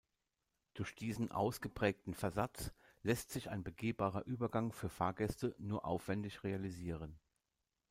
Durch diesen ausgeprägten Versatz lässt sich ein begehbarer Übergang für Fahrgäste nur aufwendig realisieren.